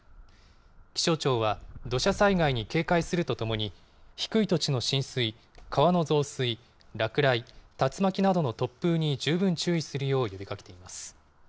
気象庁は、土砂災害に警戒するとともに、低い土地の浸水、川の増水、落雷、竜巻などの突風に十分注意するよう呼びかけています。